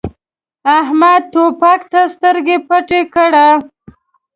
احمد توپک ته سترګه پټه کړه.